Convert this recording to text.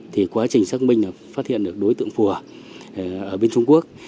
thì quá trình xác minh là phát hiện được đối tượng phùa ở bên trung quốc